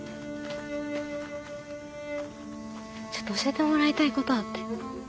ちょっと教えてもらいたいことあって。